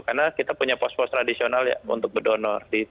karena kita punya pos pos tradisional ya untuk berdonor